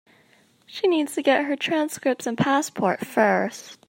She needs to get her transcripts and passport first.